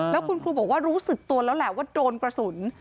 แล้วคุณครูบอกว่ารู้สึกตัวแล้วแหละว่าโดนกระสุน